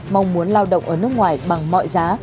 mong muốn lao động ở nước ngoài bằng mọi giá